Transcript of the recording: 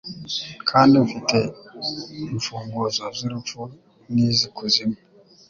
kandi mfite imfunguzo z'urupfu n'iz'ikuzimu